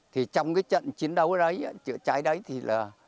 thì trong cái trận chiến đấu đấy chữa cháy đấy thì là